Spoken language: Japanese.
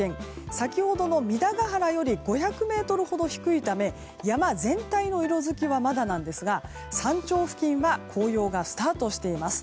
先ほどの弥陀ヶ原より５００ｍほど低いため山全体の色づきはまだなんですが山頂付近は紅葉がスタートしています。